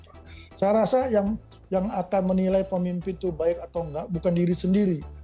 saya rasa yang akan menilai pemimpin itu baik atau enggak bukan diri sendiri